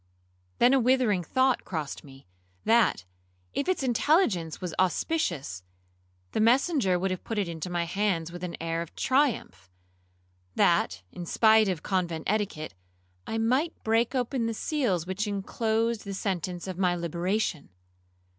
Then a withering thought crossed me, that, if its intelligence was auspicious, the messenger would have put it into my hands with an air of triumph, that, in spite of convent etiquette, I might break open the seals which inclosed the sentence of my liberation.